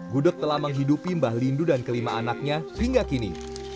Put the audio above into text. gudeg telah menghidupi mbah lindu dan kelima anaknya hingga kini